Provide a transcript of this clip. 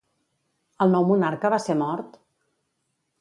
El nou monarca va ser mort?